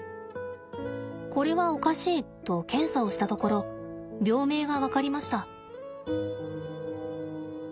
これはおかしいと検査をしたところ病名が分かりました。